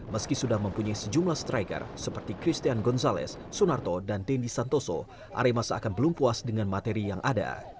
meski sudah mempunyai sejumlah striker seperti christian gonzalez sunarto dan dendi santoso arema seakan belum puas dengan materi yang ada